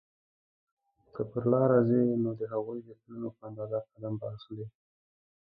که پر لاره ځې نو د هغوی د پلونو په اندازه قدم به اخلې.